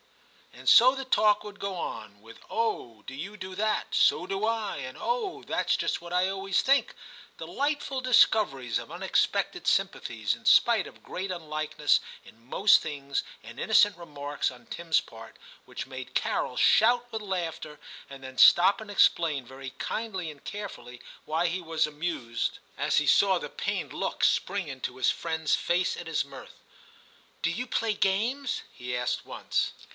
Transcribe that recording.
And so the talk would go on, with, 'Oh! do you do that.^ so do I,' and 'Oh! that*s just what I always think,* — delightful discoveries of unexpected sympathies, in spite of great unlikeness in most things, and innocent remarks on Tim s part, which made Carol shout with laughter, and then stop and explain very kindly and carefully why he was amused, as he saw the pained look spring into his friend's face at his mirth. * Do you play games }' he asked once.